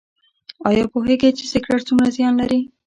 ایا پوهیږئ چې سګرټ څومره زیان لري؟